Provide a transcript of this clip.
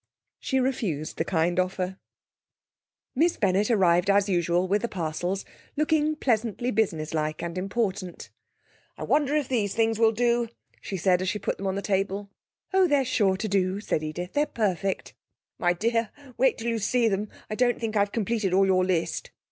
She refused the kind offer. Miss Bennett arrived as usual with the parcels, looking pleasantly business like and important. 'I wonder if these things will do?' she said, as she put them out on the table. 'Oh, they're sure to do,' said Edith; 'they're perfect.' 'My dear, wait till you see them. I don't think I've completed all your list.'